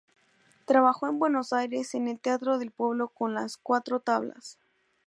Trabajó en Buenos Aires en el Teatro del Pueblo con "Las Cuatro Tablas".